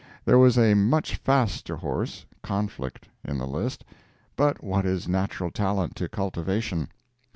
There was a much faster horse (Conflict) in the list, but what is natural talent to cultivation?